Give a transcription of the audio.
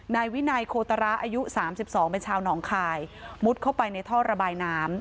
นายวินัยโคตระอายุ๓๒เป็นชาวหนองคายมุดเข้าไปในท่อระบายน้ำ